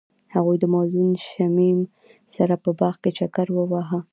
هغوی د موزون شمیم سره په باغ کې چکر وواهه.